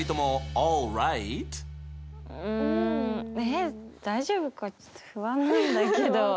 えっ大丈夫かちょっと不安なんだけど。